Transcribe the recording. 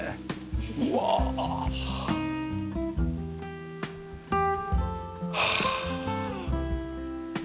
うわあ。はあ。